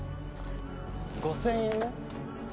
５０００円ね。